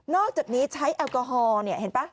อกจากนี้ใช้แอลกอฮอล์เห็นป่ะ